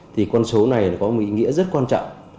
thì con số này có một ý nghĩa rất quan trọng